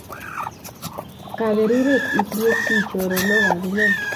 Kaperuret itinye chi choronok ap iman